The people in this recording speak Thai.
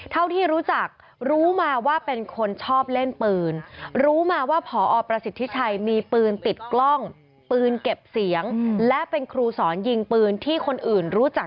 เท่าที่รู้จักรู้มาว่าเป็นคนชอบเล่นปืน